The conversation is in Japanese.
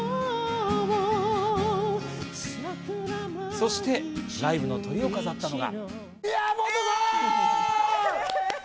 そしてライブのトリを飾ったのは。